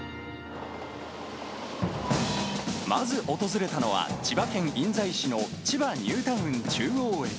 まず訪れたのは、千葉県印西市の千葉ニュータウン中央駅。